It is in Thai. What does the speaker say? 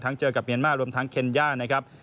เจอกับเมียนมาร์รวมทั้งเคนย่านะครับ